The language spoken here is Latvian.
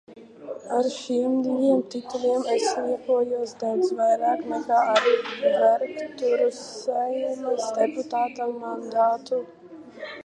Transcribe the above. Ar šiem diviem tituliem es lepojos daudz vairāk nekā ar vergturu Saeimas deputāta mandātu.